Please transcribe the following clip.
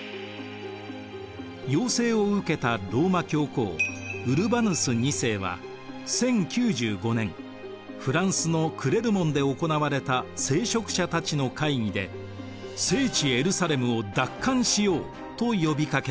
要請を受けたローマ教皇ウルバヌス２世は１０９５年フランスのクレルモンで行われた聖職者たちの会議で「聖地エルサレムを奪還しよう！」と呼びかけました。